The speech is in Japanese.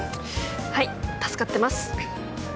はい助かってます。